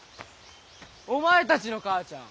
お前たちの母ちゃん